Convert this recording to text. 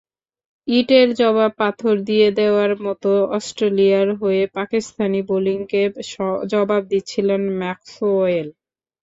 ইটের জবাব পাথর দিয়ে দেওয়ার মতো অস্ট্রেলিয়ার হয়ে পাকিস্তানি বোলিংকে জবাব দিচ্ছিলেন ম্যাক্সওয়েল।